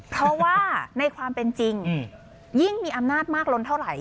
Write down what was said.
เพราะว่าในความเป็นจริงยิ่งมีอำนาจมากล้นเท่าไหร่